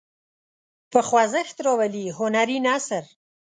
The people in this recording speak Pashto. په خوځښت راولي هنري نثر.